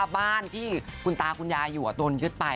บ้านที่คุณตาคุณยายอยู่โดนยึดไป